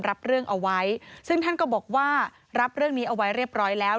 รับเรื่องเอาไว้ซึ่งท่านก็บอกว่ารับเรื่องนี้เอาไว้เรียบร้อยแล้ว